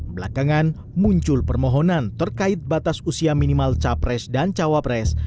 belakangan muncul permohonan terkait batas usia minimal capres dan cawapres